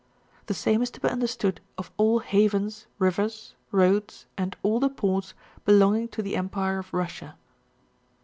The same is to be understood of all havens, rivers, roads, and all the ports belonging to the empire of Russia.